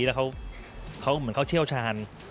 แล้วเขาเหมือนเขาเชี่ยวชาญ